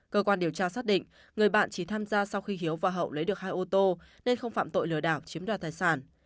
cơ quan điều tra xác định người bạn chỉ tham gia sau khi hiếu và hậu lấy được hai ô tô nên không phạm tội lừa đảo chiếm đoạt tài sản